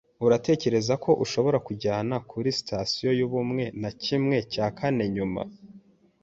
Uratekereza ko ushobora kunjyana kuri Sitasiyo yubumwe na kimwe cya kane nyuma?